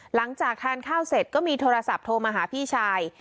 หลังจากทานข้าวเสร็จก็มีโทรศัพท์โทรมาหาพี่ชาย